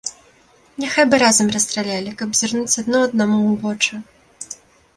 Няхай бы разам расстралялі, каб зірнуць адно аднаму ў вочы.